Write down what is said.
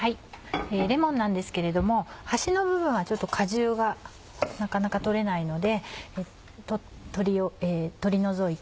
レモンなんですけれども端の部分は果汁がなかなか取れないので取り除いて。